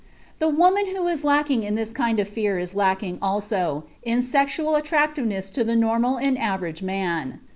The woman who is lacking in this kind of fear is lacking, also, in sexual attractiveness to the normal and average man.